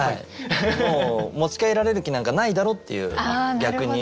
もう持ち帰られる気なんかないだろっていう逆に。